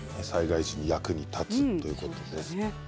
災害時に役に立つということです。